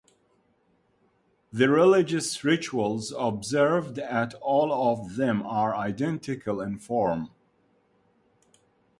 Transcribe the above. The religious rituals observed at all of them are identical in form.